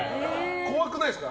怖くないですか？